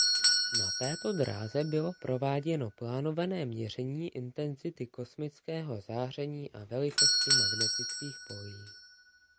Na této dráze bylo prováděno plánované měření intenzity kosmického záření a velikosti magnetických polí.